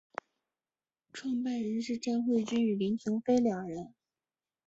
创办人是詹慧君与林庭妃两人。